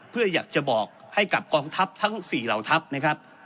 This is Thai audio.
เพื่ออยากจะบอกให้กับกองทัพทั้ง๔เหล่าทัพนะครับ